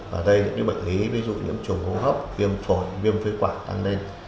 và đây những bệnh lý ví dụ nhiễm trùng hô hốc viêm phổi viêm phế quả tăng lên